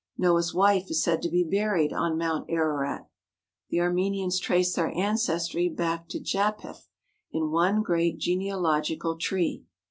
Noah's wife is said to be buried on Mount Ararat. The Armenians trace their ancestry back to Japheth in one great genealogical tree.